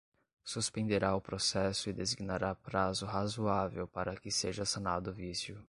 suspenderá o processo e designará prazo razoável para que seja sanado o vício.